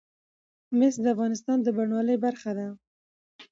مس د افغانستان د بڼوالۍ برخه ده.